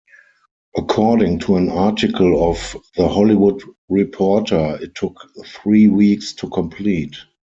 According to an article of "The Hollywood Reporter", it took three weeks to complete.